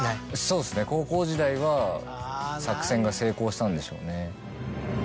そうですね高校時代は作戦が成功したんでしょうね。